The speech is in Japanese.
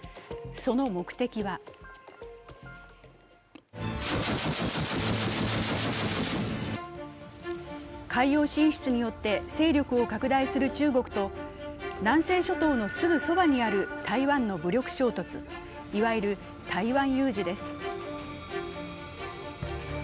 その目的は海洋進出によって勢力を拡大する中国と南西諸島のすぐそばにある台湾の武力衝突、いわゆる台湾有事です。